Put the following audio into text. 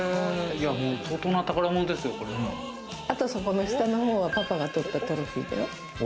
あとそこの下の方、パパが取ったトロフィーね。